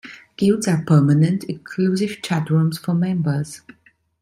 Guilds are permanent, exclusive chat rooms for members.